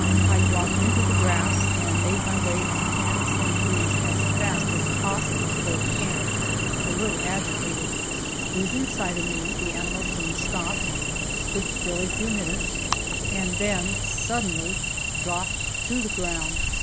I dropped into the grass and made my way on hands and knees as fast as possible toward camp, a little agitated. Losing sight of me the animal soon stopped, stood still a few minutes and then suddenly dropped to the ground.